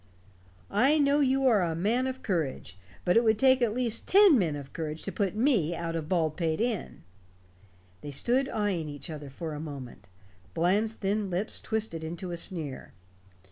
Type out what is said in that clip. I know you are a man of courage but it would take at least ten men of courage to put me out of Baldpate Inn." They stood eying each other for a moment. Bland's thin lips twisted into a sneer.